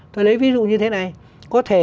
tôi lấy ví dụ như thế này có thể